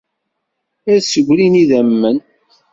Ad ssegrin idammen.